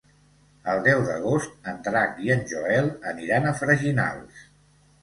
El deu d'agost en Drac i en Joel aniran a Freginals.